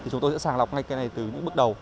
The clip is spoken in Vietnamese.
chúng tôi sẽ sàng lọc ngay cái này từ những bước đầu